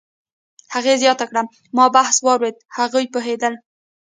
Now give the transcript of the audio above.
هغې زیاته کړه: "ما بحث واورېد، هغوی پوهېدل